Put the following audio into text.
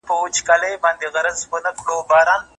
زنګوله که نه وي ټوله کار ورانېږي